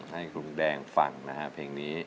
ให้คุณแดงฟังนะฮะเพลงนี้